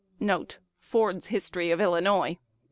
1 1 Ford's History of Illinois.